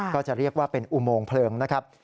ก็จะเรียกว่าเป็นอุโมงเพลิงนะครับ